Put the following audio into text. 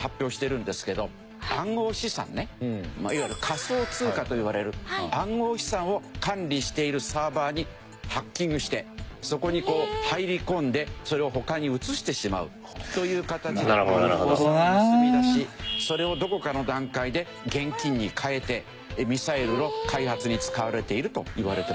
まあいわゆる仮想通貨といわれる暗号資産を管理しているサーバーにハッキングしてそこに入り込んでそれを他に移してしまうという形で暗号資産を盗み出しそれをどこかの段階で現金に替えてミサイルの開発に使われているといわれてます。